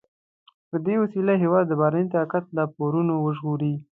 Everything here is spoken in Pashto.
په دې وسیله هېواد د بهرني طاقت له پورونو وژغوري.